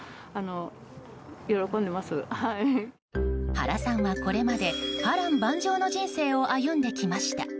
原さんは、これまで波乱万丈の人生を歩んできました。